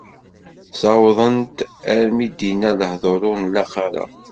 Ssawḍen-t armi i d-inna lehdur ur nlaq ara.